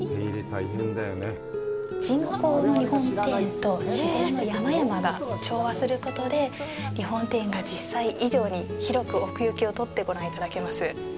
人工の日本庭園と自然の山々が調和することで日本庭園が実際以上に広く奥行きをとってご覧いただけます。